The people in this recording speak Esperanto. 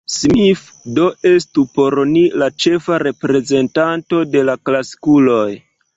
Smith do estu por ni la ĉefa reprezentanto de la klasikuloj.